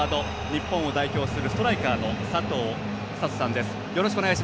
日本を代表するストライカーの佐藤寿人さんです。